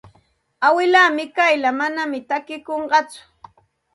Awilaa Mikayla manam takikunqatsu.